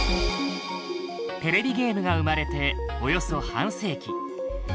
テレビゲームが生まれておよそ半世紀。